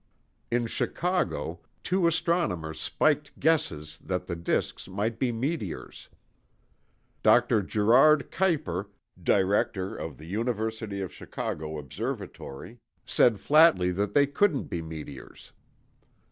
In Chicago, two astronomers spiked guesses that the disks might be meteors. Dr. Girard Kieuper, director of the University of Chicago observatory, said flatly that they couldn't be meteors.